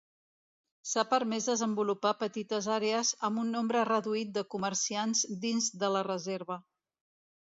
S'ha permès desenvolupar petites àrees amb un nombre reduït de comerciants dins de la reserva.